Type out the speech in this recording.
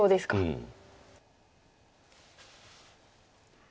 うん。